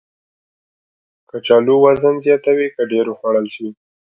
کچالو وزن زیاتوي که ډېر وخوړل شي